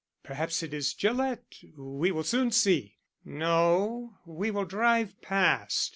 "Perhaps it is Gillett. We will soon see." "No, we will drive past.